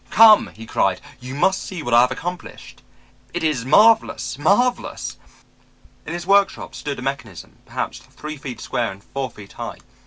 "'Come,' he cried; 'you must see what I have accomplished. It is marvelous, marvelous.' "In his workshop stood a mechanism perhaps three feet square and four feet high.